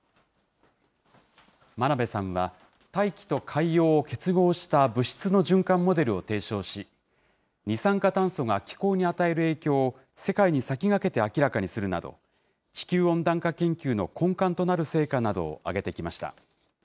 真鍋さんは、大気と海洋を結合した物質の循環モデルを提唱し、二酸化炭素が気候に与える影響を、世界に先駆けて明らかにするなど、地球温暖化研究の根幹となる成果などを上げてきました。